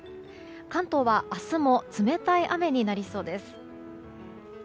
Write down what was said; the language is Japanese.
関東は明日も冷たい雨になりそうです。